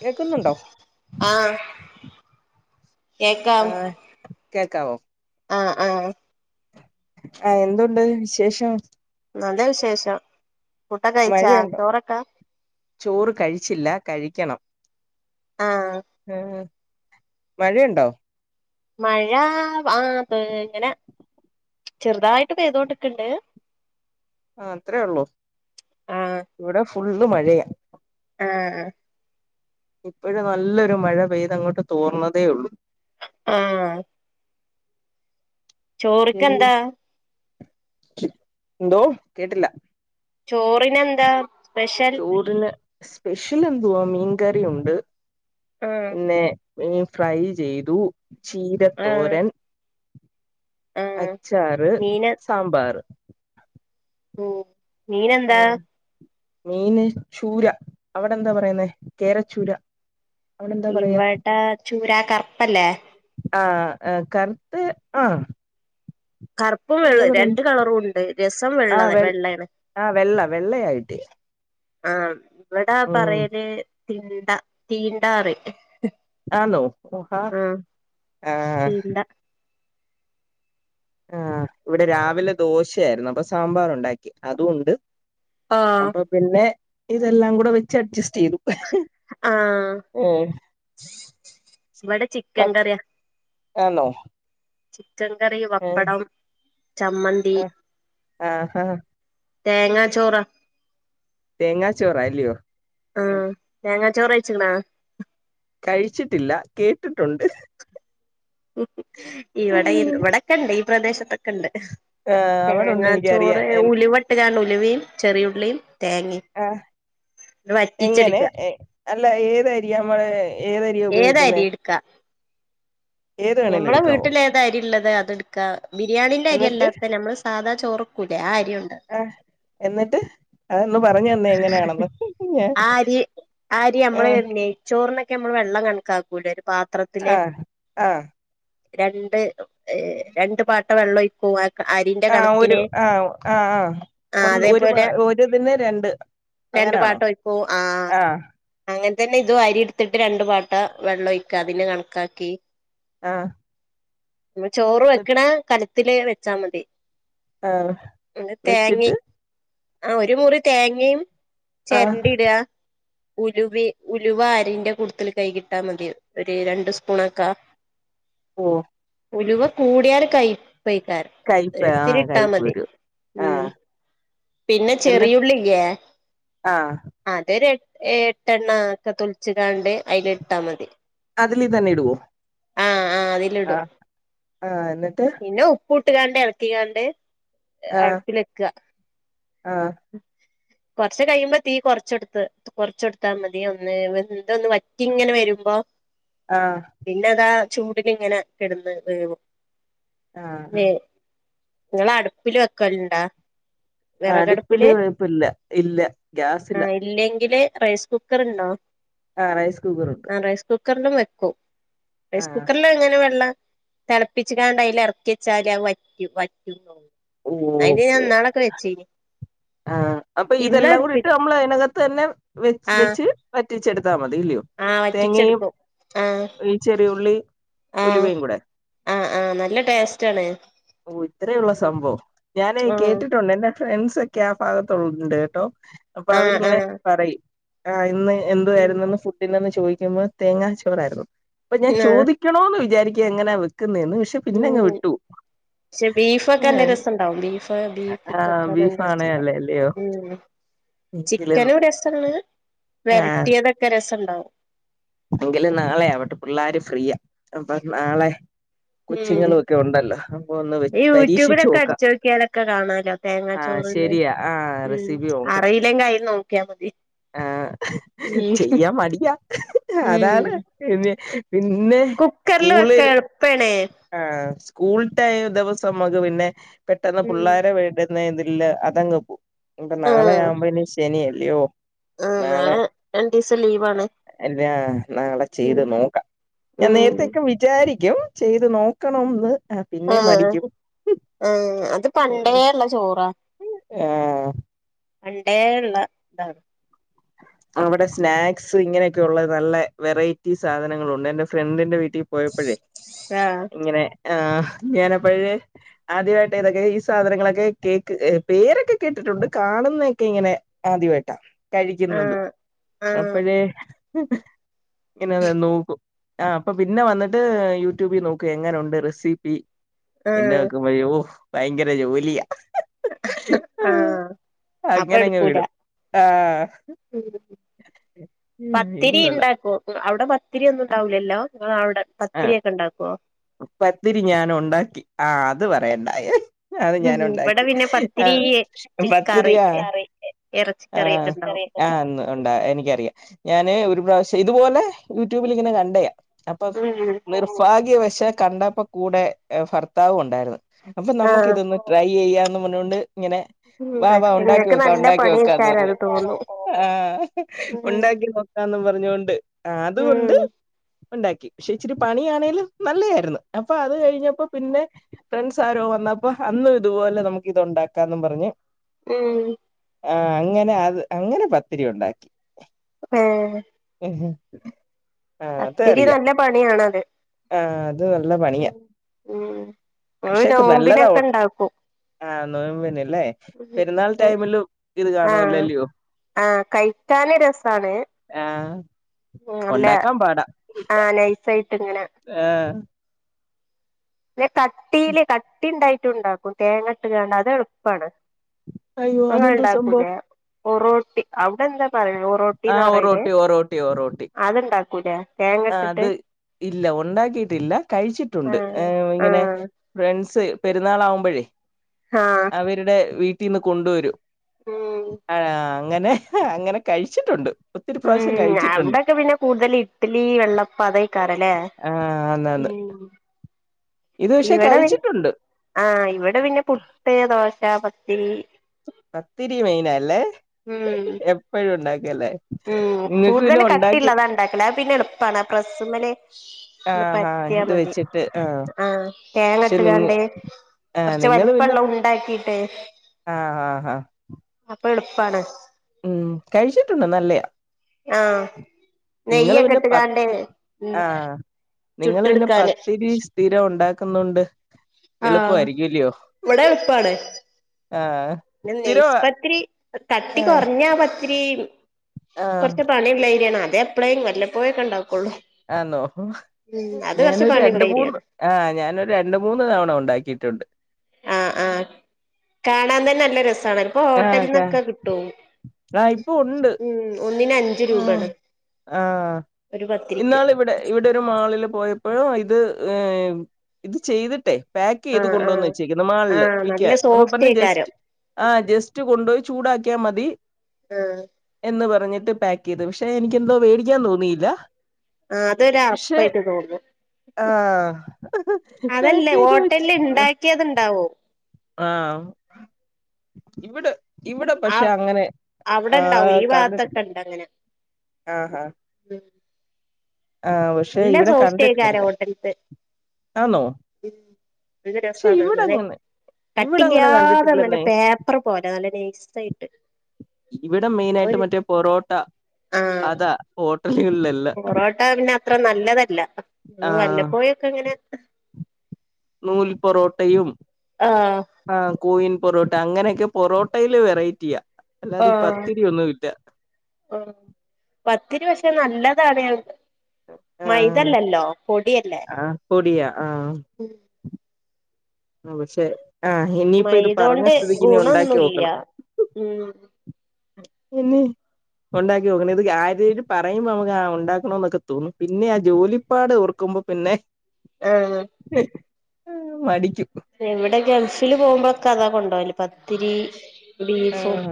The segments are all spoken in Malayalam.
കേക്കുന്നുണ്ടോ ആഹ് കേക്കാം ആ കേക്കാവോ ആ ആഹ് ആ എന്തുണ്ട് വിശേഷം? നല്ല വിശേഷം ഫുഡോക്കെ കഴിച്ചാ മഴയുണ്ടോ ചോറൊക്കെ ചോറ് കഴിച്ചില്ല കഴിക്കണം ആഹ് ആഹ് മഴയുണ്ടോ മഴാ ആഹ് പെ ഇങ്ങനെ ചെറുതായിട്ട് പെയ്തോണ്ട്ക്ക്‌ണ്ട് അത്രേ ള്ളു ആഹ് ഇവിടെ ഫുള്ള് മഴയാ ആ ഇപ്പോഴും നല്ലൊരു മഴ പെയ്തങ്ങോട്ട് തോർന്നതേ ഉള്ളു ആ ചോറ്ക്കെന്താ എന്തോ കേട്ടില്ല ചോറിന് എന്താ സ്പെ വുഡിന് സ്പെഷ്യലെന്തുവാ മീൻകറി ഉണ്ട് ആഹ് പിന്നെ മീൻ ഫ്രൈ ചെയ്തു ആഹ് ചീരത്തോരൻ ആഹ് അച്ചാറ് മീന് സാമ്പാറ് ഉം മീനെന്താ ഉം മീന് ചൂര അവിടെന്താ പറയ്ന്നേ കേരച്ചൂര അവിടെ എന്താ പറയാ ഇവിടെ ചൂരാ കറ്പ്പല്ലേ? ആഹാ കറ്ത്ത് ആഹ കറ്പ്പും വെള്ളം രണ്ട് കളറുംണ്ട് രസം വെള്ള ആഹ് വെ വെള്ളയാണ്. ആഹ് വെള്ള വെള്ളയായിട്ട് ആഹാ ഇവിടാ ഉം പറയല് തിണ്ട തീണ്ടാറിം ആന്നോ ഹുഹാ ആഹ് ആഹാ തീണ്ട ആഹ ഇവിടെ രാവിലെ ദോശയായിരുന്നു അപ്പൊ സാമ്പാറു ണ്ടാക്കി അതുംണ്ട് ആഹ് അപ്പൊ പിന്നെ ഇതെല്ലാം കൂടെ വെച്ച് അഡ്ജസ്റ്റ് ചെയ്തു ആഹാ ഏഹ് വടെചിക്കൻ കറിയാ. ആണോ ചിക്കൻകറി വപ്പടം ചമ്മന്തി ആഹ് ആഹാ തേങ്ങാ ചോറാ. തേങ്ങാച്ചോറ അല്ലയോ? തെങ്ങാ ചോറ്ച്ചിക്ക്‌ണാ കഴിച്ചിട്ടില്ല കേട്ടിട്ടുണ്ട്. ഹ് ഉംഹും ഇവടെ ഇവിടെൊക്കെണ്ട് ഈ പ്രദേശത്തൊക്കെണ്ട്. ആഹ് അവിടുണ്ട് തേങ്ങാ എനിക്കറിയാ ചോറ് എൻ ഉലുവട്ട്കാണ്ട് ഉലുവിം ചെറിയുള്ളിം തേങ്ങിം ആ എങ്ങനെ അല്ല ഏതരിയാ മള് ഏത് അരിട്ക്കാ ഏത് വേണേലും ഞമ്മളെ എടുക്കാവോ വീട്ടില് ഏത് അരിള്ളത് അത്ട്ക്കാ ബിരിയാണിന്റെ എന്നിട്ട് അരിയല്ലാത്ത നമ്മള് സാധാ ചോറ്ക്കൂലേ ആ അരിണ്ട്. ആഹ് എന്നിട്ട് അതൊന്ന് പറഞ്ഞന്നേ എങ്ങനെയാണെന്ന് ഞാൻ ആ അരി ആ അരി നമ്മള് ആഹ് നെയ്ച്ചോറിനൊക്കെ നമ്മള് വെള്ളം കണക്കാക്കൂല ഒരു പാത്രത്തില് ആഹ് ആഹ് രണ്ട് രണ്ട്പാട്ട വെള്ളം ഒഴിക്കുംവറ്റ ആഹാ ഒരു ആഹാ ആ ആ ആ ഒ ഒരു അതേപോലെ ഒരുതിന് രണ്ട് രണ്ട് അങ്ങനാണോ പാട്ടം ഒഴിക്കും. ആ ആഹ് അങ്ങനെ തന്നെ ഇത് അരിട്ത്തിട്ട് രണ്ട് പാട്ടം ട്ടവെള്ളം ഒഴിക്ക അതിന് കണക്കാക്കി ആഹ് മ്മചോറ് വെക്കണ കലത്തില് വെച്ചാ മതി ആഹാ ന്നെ തേങ്ങിം ആ ഒരു മുറി തേങ്ങിം ആഹ് ചെരണ്ടി ഇടാ ഉലവി ഉലുവ അരിന്റെ കൂട്ത്തില് കൈ കിട്ടാമതി ഒരു രണ്ട് സ്പൂണൊക്ക ഹൊ ഉലുവ കൂടിയാല് കയ്പ്പ് കയിപ്പയ്ക്കാരംഓര്ത്തിരി ആഹ് ഇട്ടാ കയ്പ്പ് മതി വരും ഉം ആഹ് പിന്നെ എന്നിട്ട് ചെറിയുള്ളില്യെ ആഹ് അതൊര് എ എട്ടെണ്ണ ഒക്കെ തൊൽച്ച് കാണ്ട് അയില്ട്ടാമതി അതിലിതന്ന ഇടുവോ? ആഹ് ആ് അതിലിടും ആഹ് ആഹ് എന്നിട്ട് പിന്നെ ഉപ്പുട്ട്കണ്ട് ഇളക്കി കാണ്ട് അടുപ്പിലെക്ക ആഹാ കൊറച്ച് കഴിയുമ്പോ തീ കൊറച്ച്ട്ത്ത്. കൊറച്ച്ടുത്താ മതി ഒന്ന് വെന്തൊന്ന് വറ്റിങ്ങനെ വരുമ്പോ ആഹാ പിന്നെതാ ചൂടിന് ഇങ്ങനെ കിടന്ന് വേകും ആഹ് വേ ങ്ങള അടുപ്പില് വെക്കല്ണ്ടാ വിറകടു ല് വയ്പ്പല്ല ഇല്ല ഗ്യാസ ഇല. ആഹ് ഇല്ലെങ്കില് റൈസ് കുക്കർ ഉണ്ടോ? ആ റൈസ് കുക്കർ ഉണ്ട് റൈസ് കുക്കറിലും വെക്കും റൈസ് ആഹ് കുക്കറില് എങ്ങനെ വെള്ള തിളപ്പിച്കാണ്ട് അതിൽ ഇറക്കി വച്ചാല് അത് വറ്റും അയിന് ഞാൻ ഇന്നാളൊക്കെ വെച്ചിനി ആഹ അപ്പൊ ഇതെല്ലാം കൂടിട്ട് നമ്മൾ അതിനകത്ത് തന്നെ വെച്ച് ആഹ് വെച്ച് വറ്റിച്ചെടുത്താൽ മതി ഇല്ലയോ ആഹ് തേങ്ങയും വറ്റിച്ചെടുക്കും ഈ ചെറിയുള്ളി ആഹ ഉലുവയും കൂടെ ആഹ ആഹ നല്ല ടേസ്റ്റ് ആണ് ഓ ഇത്രയ ഉള്ളോ സംഭവം ഞാനെ ആഹ് കേട്ടിട്ടുണ്ട് എന്റെ ഫ്രണ്ട്സ് ഒക്കെ ആ ഭാഗത്തള്ളണ്ട് കേട്ടോ അപ്പൊ ആഹ് അവരിങ്ങനെ ആഹ് പറയും ആ ഇന്ന് എന്തു ഉം ആയിരുന്നെന്ന് ഫുഡിനെന്ന് ചോദിക്കുമ്പോ തേങ്ങാ ചോറായിരുന്നു അപ്പൊ ഞാൻ ആഹ് ചോദിക്ക ക്കണോ എന്ന് വിചാരിക്കാ എങ്ങനാ വെക്കുന്നതന്ന് പക്ഷെ ഉ പിന്നങ്ങ് വിട്ടു പക്ഷെ ബീഫൊക്കെ നല്ല ഏഹ് രസംഇണ്ടാവും ബീഫ് ആഹ് ബീഫ്ക്കെക്ക നല്ല ബീഫാണേ ര അല്ലേ അല്ലയോ ഉം എങ്കിലും ചിക്കനും രെസാണ് വെരട്ടി ഇതൊക്ക രസംണ്ടാവും എങ്കിലെ നാളെയാവട്ടെ പിള്ളാര് ഫ്രീയാ അപ്പൊ നാളെ ഉം കൊച്ചുങ്ങളും ഒക്കെ ഉണ്ടല്ലോ അപ്പ ഒന്ന് ഈ പരീക്ഷിച്ചു യൂട്യൂബിലൊക്കെ നോക്കാം അടിച്ചോക്കിയാലൊക്കെ കാണാലോ ആഹ തേങ്ങാച്ചോറ്ന്ന് ശരിയാ ആഹ ഉം റെസിപി നോക്കണം അറിയില്ലെങ്കി അയിൽ നോക്കിയാ മതി ആഹ ഉം ചെയ്യാൻ മടിയാ ഉം അതാണ് പിന്നെ പിന്നെ സ്കൂള പെണേ ആ സ്കൂള ടൈമ് ദിവസം നമുക്ക് പിന്നെ പെട്ടെന്ന് ഉം പിള്ളേരെ വീ ഇതില് അതങ്ങ് പോവും ഇപ്പ നാളെ ആവുമ്പോ ശനി അല്ലയോ ആഹ നാളെ രണ്ടു ദിവസം ലീവാണ്. അല്ലാ നാളെ ഉം ചെയ്ത് നോക്കാം. ഞാൻ ഉം നേരത്തേക്കെ വി വിചാരിക്കും ചെയ്ത് നോക്കണംന്ന് പിന്നേം മടിക്കും ആഹ അത് പണ്ടേള്ള ചോറാ ആഹ പണ്ടേ ഉള്ള ഇതാണ് അവിടെ സ്നാക്സ് ഇങ്ങനെയൊക്കെ ഉള്ള നല്ല വെറൈറ്റി സാധനങ്ങളുണ്ട് എന്റെ ഫ്രണ്ടിന്റെ വീട്ടിൽ പോയപ്പോഴേ ആഹ് ഇങ്ങനെ ആ ഞാനപ്പോഴേ ആദ്യമായിട്ട് ഇതൊക്കെ ഈ സാധനങ്ങളൊക്കെ കേക്ക് പേരൊക്കെ കേട്ടിട്ടുണ്ട് കാണുന്നതൊക്കെ ഇങ്ങനെ ആദ്യവായിട്ടാ. കഴിക്കുന്നതും ആഹ് അപ്പോഴേ ഇങ്ങനെ നോക്കും. ആ അപ്പൊ പിന്നെ വന്നിട്ട് യൂട്യൂബിൽ നോക്കു എങ്ങനെുണ്ട് റെസിപ്പി. ആഹ് എന്നെ ആഹ് വെക്കുമ്പോഓ ഭയങ്കര ജോലിയാ. ആഹ് അപ്പൊ അങ്ങനെങ്ങ് എടുക്കൂല വിടും. ആ ഇത് പത്തിരി ഇണ്ട കൊള്ളാം അവിടെ പത്തിരി ഒന്നും ഉണ്ടാവില്ലല്ലോ ഇങ്ങളെ അവ്ടെ ആഹ് പത്തിരിയൊക്കെ ഇണ്ടാക്കുവോ പത്തിരി ഞാൻ ഉണ്ടാക്കി ആ് അത് പറയണ്ടായ. അത് ഞാൻ ഉം ഇവിടെ ഉണ്ടാക്കി പിന്നെ പത്തിരി കറി പത്തിരിയാ ഇറച്ചിക്കറിയൊക്കെ ഉണ്ടാവും. ആഹ അന്ന് ഉണ്ടാ എനിക്കറിയാം ഞാന് ഒരു പ്രാവശ്യം ഇതുപോലെ യൂട്യൂബിൽങ്ങനെ കണ്ടയാ. അപ്പൊ ഉം നിർഭാഗ്യവശ കണ്ടപ്പോ കൂടെ ഭർത്താവും ഉണ്ടായിരുന്നു. അപ്പൊ നമ്മുക്ക് ആഹ് ഇതൊന്ന് ട്രൈ ചെയ്യാന്ന് പറഞ്ഞോണ്ട്. ഇങ്ങനെ വാ വാ പക്ഷെ ഉണ്ടാക്കി നിങ്ങൾക്ക് നോക്കാ നല്ല ഉണ്ടാക്കി നോക്കാ ന്ന് പണിയെക്കാരം പറഞ്ഞ് അത് തോന്നും ആഹ ഉം ഉണ്ടാക്കി നോക്കാം ന്ന് പറഞ്ഞൊണ്ട് അതൊണ്ട്. ഉം ഉണ്ടാക്കി പക്ഷെ ഇച്ചിരി പണിയാണെലും നല്ലതായിരുന്നു. അപ്പൊ അത് കഴിഞ്ഞപ്പോ പിന്നെ. ഫ്രണ്ട്സ് ആരോ വന്നപ്പോ അന്നും ഇതുപോലെ നമുക്ക് ഇത് ഒണ്ടാക്കാന്നും പറഞ്ഞ് ഉം ആ അങ്ങനെ അത് അങ്ങനെ പത്തിരി ഉണ്ടാക്കി. പഹോ ഉം അത്തിരി നല്ല പണിയണത്. ആഹ അത് നല്ല പണിയാ ഉം ഞങ്ങള് പക്ഷേക് നല്ലതാ നോമ്പിനൊക്കെ ഇണ്ടാക്കും ആഹ നോബിന് ല്ലേ പെരുന്നാൾ ടൈമില് ഇത് കാണുല്ലല്ലിയോ. ആഹ കഴികന് രസാണ്. ആഹ് നല്ല ആഹ നൈസ് ആയിട്ട്. ഇങ്ങനെ ആഹ് കട്ടില് കട്ടിയിടും ഉണ്ടായിട്ടുണ്ടാക്കും തേങ്ങട്ട് കങണ്ട് അത് എളുപ്പാണ്. അയ്യോ ഇങ്ങള് അതെന്തോ സംഭവം ഉണ്ടാക്കൂലോ ബുറോട്ടി. അവിടെ എന്താ പറയ റോട്ടി ആ ന്ന്പറയില് ഒറോട്ടി ഒറോട്ടി ഒറോട്ടി അത്ണ്ടാക്കൂലൊ? ആ അത് ഇല്ല ഉണ്ടാക്കിയിട്ടില്ല കഴിച്ചിട്ടുണ്ട്. ആഹ് ഏ ഇങ്ങനെ ആഹ് ഫ്രൻസ് പെരുന്നാൾ ആവുമ്പോഴേ. ആഹ് രുടെ വീട്ടിൽന്ന് കൊണ്ടുവരും. ഉം ആ അങ്ങനെ അങ്ങനെ കഴിച്ചിട്ടുണ്ട്. ഒത്തിരി പ്രാവശ്യം ഉം കഴിച്ചിട്ടുണ്ട് അവിടെക്കെ പിന്നെ കൂടുതൽ ഇഡലി, വെള്ളപ്പം, അത് അയികരംലോ? ആഹ് അന്ന്. ഇവിടെ പിന്ന ആ ഇവിടെ പിന്നെ പുട്ട്, ദോശ, പത്തിരി, പത്തിരി മെയിന അല്ലേ. ഉം എപ്പഴും ഉണ്ടാക്കല്ലേ? ഉം നിങ്ങക്ക് പിന്നെ കൂടുതല് ഉണ്ടാക്കി കട്ടിളത് ഇണ്ടാക്കല് അത് പിന്നെ എളുപ്പാണ്. പ്രസ്സ്മ്മല്. ഒന്ന് ആഹാ പരതിയാ ഇത് മതി വെച്ചിട്ട് ആ ആഹ തേങ്ങ പക്ഷെ നിങ്ങ ഇട്ങട്. ആ കുറച്ച് വലിപ്പള്ള ഉണ്ടാക്കിട്ട്. ആഹ് ആഹ് ആഹ് അപ്പൊ എളുപ്പാണ്. ഉം കഴിച്ചിട്ടുണ്ട്. നല്ലയ ആഹ നെയ്യൊക്കെ പിന്നെ ഇട്ട്ങ്ങണ്ട്. പത്ത് ആ നിങ്ങള് പിന്നെ പത്തിരി സ്ഥിരം ഉണ്ടാക്കുന്നുണ്ട്. ആഹ് എളുപ്പമായിരിക്കലയോ. ഇവിടെ ആഹ് നൈസ് പത്തിരി കട്ടി കുറഞ്ഞാപത്തിരി. ആ കൊറച്ച് പണിള്ളഏരിയാണ് അതെ എപ്പെയും വല്ലപ്പോയേക്കെ ഉണ്ടാക്കുള്ളൂ. ആന്നോ ഞാനൊരൂ പണിയുള്ള രണ്ട്, മൂന്ന് ഏരിയാണ് ആഹ് ഞാനൊരു രണ്ട്, മൂന്ന് തവണ ഉണ്ടാക്കിയിട്ടുണ്ട്. ആഹ് ആഹ് കാണാൻതന്നെ നല്ല രസമ ഇപം ആഹ് ക ഹോട്ടലിന്നൊക്കെകിട്ടും. ഉം ഒന്നിന് അഞ്ച ഉം ആഹ് ഒരു പത്തിരിക്ക് ഇന്നാളിവിടെ ഇവിടൊരു മാളില് പോയപ്പോഴു. ഇത് ഇത്ചെയ്തിട്ടേ പാക്കെയ്ത് ആഹ് ആഹ് കൊണ്ടുവന്നവെച്ചേക്കുന്നു മാളില് ആഹ് നല്ല വിക്കാൻ അപ്പൊ പറഞ്ഞ് ജസ്റ്റ് സോഫ്റ്റേക്കാരം ആഹ് ജസ്റ്റ്കൊണ്ടൊയി ചൂടാക്കിയാമതി. ആഹ് എന്ന്പറഞ്ഞിട്ട്. പാക്ക്യ്ത് പക്ഷെ എനിക്ക്എന്തോ വേടിക്കാൻതോന്നിയില്ല. ആ അതൊരു അറപ്പായിട്ട് തോന്നും. ആഹ് ഹ്ഹ് പേകേയിത്. വേ ഇണ്ടാക്കിയത് ഉണ്ടാവും. ആഹ് ഇവിടെ ഇവിടെ ആഹ് പക്ഷെഅങ്ങനെ അവിടെ ആ ഇണ്ടാവും ഈ കണ്ടിട്ടില്ല. ഭാഗത്തൊക്കെ ഇണ്ട് അങ്ങനെ ആഹ് ഹാ ആഹ് പക്ഷെ നല്ലാ ഇവിടെ കണ്ടിട്ടില്ല സോഫ്റ്റായിക്കാരം ഇതിനെ ഹോട്ടൽത്തെ ആന്നോ മ്മ് പക്ഷെ രസണ് ഇവിടെ [unintelligible] അങ്ങനെ ഇവിടെ അങ്ങനെ കട്ടില്യാതെ കണ്ടിട്ടില്ലെന്നേ നല്ലപേപ്പറ്പോലെ നല്ലനൈസ്സായിട്ട് ഇവിടെ മെയിനായിട്ട്മറ്റേ പൊറോട്ട അതാ ഹോട്ടലുകളിലല്ലാ പൊറോട്ടാപിന്നെ അത്രനല്ലതല്ല ആഹ് വല്ലപ്പോയൊക്കെങ്ങനെ നൂൽ പൊറോട്ടയും ആഹ് ആഹ് കോയിൻപൊറോട്ട അങ്ങനെയൊക്കെപൊറോട്ടയില് വെറൈറ്റിയാ അല്ലാതെപത്തിരിയൊന്നുംല്ല ആ പത്തിരിപക്ഷെ നല്ലതാണ് ഞ ആഹ് മൈദല്ലല്ലോ പൊടിയല്ലേ? ആഹ് പൊടിയാ ആഹ് ആപക്ഷെ ആ ഇനിയിപ്പോ ഇത് മൈദോണ്ട് പറഞ്ഞസ്ഥിതിക്ക് ഗുണൊന്നുല്ല ഇനിഉണ്ടാക്കിഓക്കണം ഉം എന്നെ ഉണ്ടാക്കിനോക്കണം ഇത് ആരേലുംപറയുമ്പോ നമ്മക്ക് ആ ഉണ്ടാക്കണോന്നൊക്കെതോന്നും പിന്നെആ ജോലിപ്പാട് ഓ ർക്കുമ്പോ പിന്നെ ആഹ് മടിക്കും ഇവിടെ ഗൾഫില് പോകുമ്പോളൊക്കെ അതാകൊണ്ടൊവല് പത്തിരി ബീഫും ആഹ്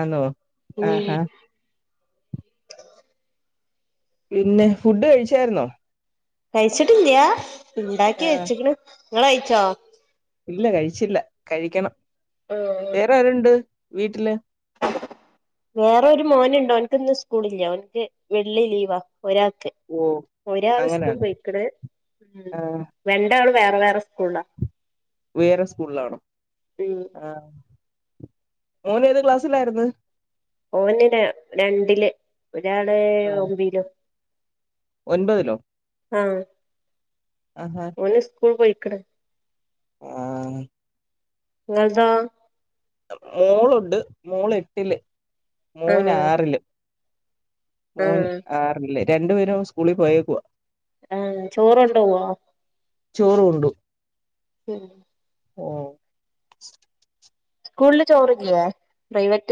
ആന്നോ ഉം ആഹാ പിന്നെ ഫുഡ്കഴിച്ചായിരുന്നോ? കഴിച്ചിട്ടില്യാ ആ ഉണ്ടാക്കിവെച്ച്ക്ക്ണ് ങ്ങള് കയിച്ചോ? ഇല്ലകഴിച്ചില്ല കഴിക്കണം ആഹ് വേറെആരുണ്ട് വീട്ടില്? വേറെഒരു മോനുണ്ട് ഓൻക്ക്ന്ന്സ്കൂളില്ല ഓൻക്ക് വെള്ളിലീവാ ഒരാൾക്ക് ഓ ഒരാള്സ്കൂൾ അങ്ങനെയാണ് പോയിക്ക്ണ് ഉം ആ രണ്ടാളും വേറെ വേറെ സ്കൂളാ വെറെ സ്കൂളാണേ ഉം ആ മോന്ഏത് ക്ലാസ്സിലായിരുന്നു ഓന് ര രണ്ടില് ഒരാള് ആ ഒമ്പീലും ഒൻപതിലോ? ആഹ് ആഹാ ഓല് സ്കൂൾ പോയിക്ക്ണ് ആഹ് ഇങ്ങൾ തോ മോളുണ്ട് മോള് എട്ടില് മോന് ആഹ് ആറില് മോൻ ആഹ് ആർല് രണ്ട് പേരും സ്കൂളിൽ പോയേക്കുവാ ആഹ് ചോറണ്ടോ വോ ചോറ് ഉണ്ട് ശരി മ് സ്കൂളില് ചോറില്ലേ പ്രൈവറ്റ്